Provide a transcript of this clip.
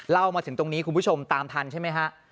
มาถึงตรงนี้คุณผู้ชมตามทันใช่ไหมฮะ